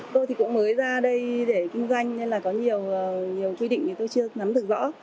tôi thì cũng mới ra đây để kinh doanh nên là có nhiều quy định thì tôi chưa nắm được rõ